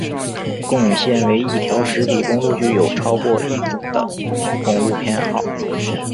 共线为一条实体公路具有超过一组的公路编号。